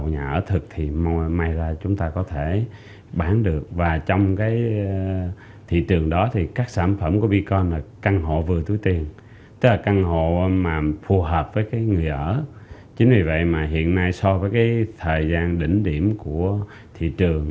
ngay so với thời gian đỉnh điểm của thị trường